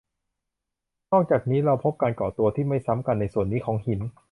นอกจากนี้เราพบการก่อตัวที่ไม่ซ้ำกันในส่วนนี้ของหิน